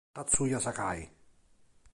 Tatsuya Sakai